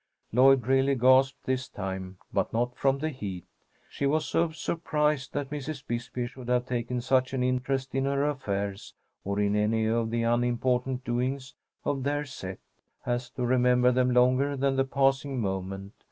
Lloyd really gasped this time, but not from the heat. She was so surprised that Mrs. Bisbee should have taken such an interest in her affairs, or in any of the unimportant doings of their set, as to remember them longer than the passing moment.